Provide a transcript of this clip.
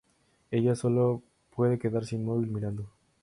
Ella solo puede quedarse inmóvil mirando.